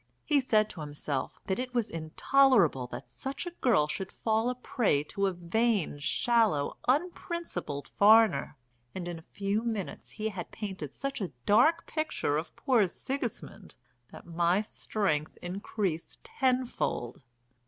He said to himself that it was intolerable that such a girl should fall a prey to a vain, shallow, unprincipled foreigner, and in a few minutes he had painted such a dark picture of poor Sigismund that my strength increased tenfold.